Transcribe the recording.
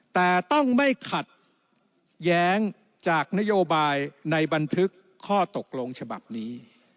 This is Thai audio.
แต่ต้องไม่ขัดแย้งจากนโยบายในบันทึกข้อตกลงฉบับนี้